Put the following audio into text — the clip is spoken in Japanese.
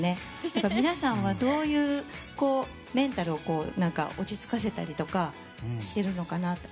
だから皆さんはどういうメンタルを落ち着かせたりとかしてるのかなって。